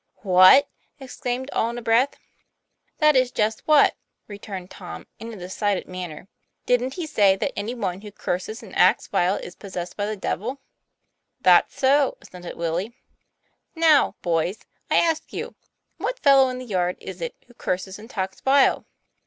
'What!" exclaimed all in a breath. 'That is just what," returned Tom, in a decided manner. ' Didn't he say that any one who curses and acts vile is possessed by the devil ?" "That's so," assented Willie. " Now, boys, I ask you what fellow in the yard is it who curses and talks vile?"